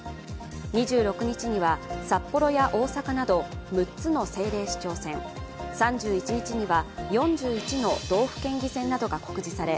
２６日には札幌や大阪など６つの政令市長選３１日には４１の道府県議選などが告示され